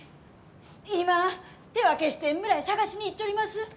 今、手分けして村へ捜しに行っちょります！